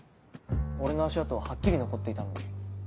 俺の足跡ははっきり残っていたのに。